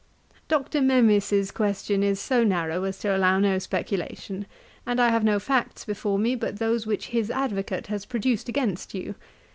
'Dr. Memis's question is so narrow as to allow no speculation; and I have no facts before me but those which his advocate has produced against you.